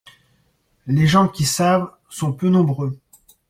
Les gens qui savent sont peu nombreux.